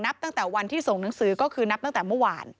ตั้งแต่วันที่ส่งหนังสือก็คือนับตั้งแต่เมื่อวาน